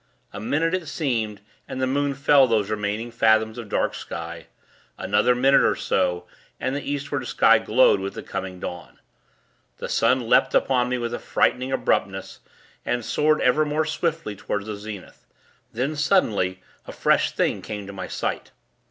A minute it seemed, and the moon fell those remaining fathoms of dark sky. Another minute, or so, and the Eastward sky glowed with the coming dawn. The sun leapt upon me with a frightening abruptness, and soared ever more swiftly toward the zenith. Then, suddenly, a fresh thing came to my sight.